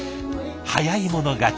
早い者勝ち。